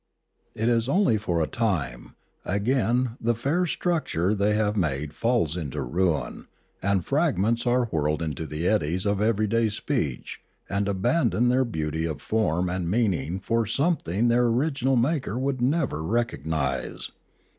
It is only for a time; again the fair structure they have made falls into ruin, and fragments are whirled into the eddies of everyday speech and abandon their beauty of form and meaning for something their original maker would never recognise.